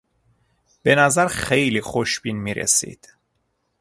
به نظر خیلی خوشبین میرسید.